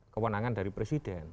kewenangan dari presiden